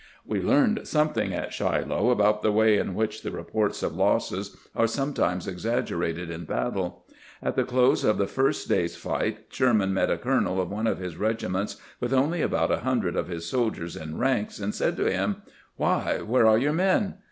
" We learned something at ShUoh about the way in which the reports of losses are sometimes exaggerated in battle. At the close of the first day's fight Sherman met a colonel of one of his regiments with only about a hundred of his soldiers in ranks, and said to him, ' Why, where are youi" men